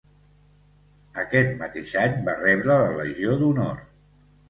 Aquest mateix any va rebre la Legió d'Honor.